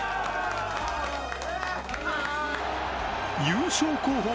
優勝候補